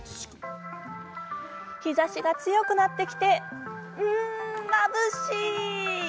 日ざしが強くなってきてん、まぶしい！